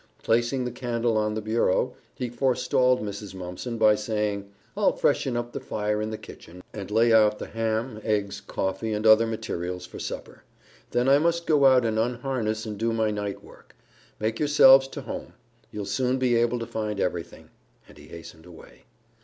Placing the candle on the bureau, he forestalled Mrs. Mumpson by saying, "I'll freshen up the fire in the kitchen and lay out the ham, eggs, coffee, and other materials for supper. Then I must go out and unharness and do my night work. Make yourselves to home. You'll soon be able to find everything," and he hastened away.